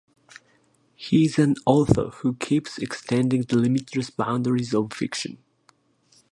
Here is an author who keeps extending the limitless boundaries of fiction.